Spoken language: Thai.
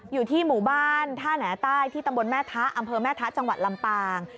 อยู่ที่หมู่บ้านท่าแหน่ใต้ที่ตำบลแม่ทะอำเภอแม่ทะจังหวัดลำปาง